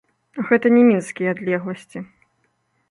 Гэта не мінскія адлегласці.